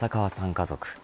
家族。